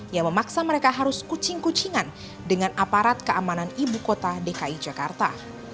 yang memaksa mereka harus kucing kucingan dengan aparat keamanan ibu kota dki jakarta